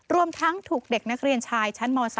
รวมทั้งถูกเด็กนักเรียนชายชั้นม๓